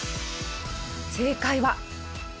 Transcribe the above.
正解は。